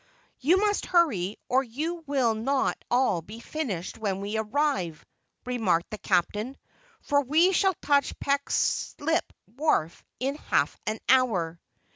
"You must hurry or you will not all be finished when we arrive," remarked the captain; "for we shall touch Peck Slip wharf in half an hour."